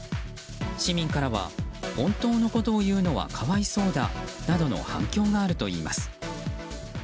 市民からは、本当のことを言うのは可哀想だなどの反響があるといいます。